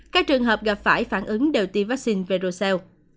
các trường hợp gặp phải phản ứng đều tiêm vaccine verocel